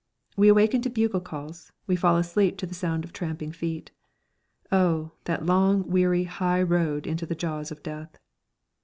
_ We awaken to bugle calls, we fall asleep to the sound of tramping feet. Oh, that long weary high road into the jaws of death!